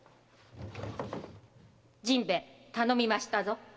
〔甚兵衛頼みましたぞ〕